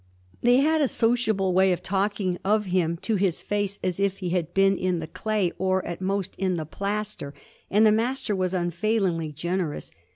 They had a sociable way of talking of him to his face as if he had been in the clay or at most in the plaster, and the Master was unfailingly generous.